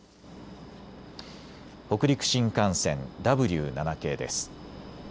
北陸新幹線、Ｗ７系です。